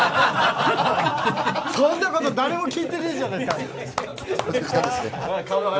そんなこと誰も聞いてねえじゃねえか。